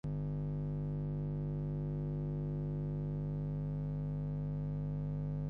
我觉察他去的匆匆了，伸出手遮挽时，他又从遮挽着的手边过去。